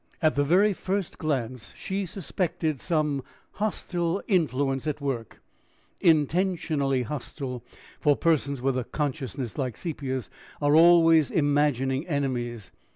At the very first glance she suspected some hostile influence at work intentionally hostile, for persons with a consciousness like Sepia's are always imagining enemies.